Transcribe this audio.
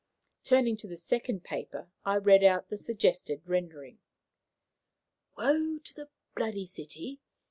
Turning to the second paper, I read out the suggested rendering: "'Woe to the bloody city!